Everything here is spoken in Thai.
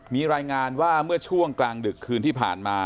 มีรายงานว่าเมื่อช่วงกลางดึกคืนที่ผ่านมา